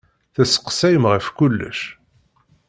Tesseqsayem ɣef kullec.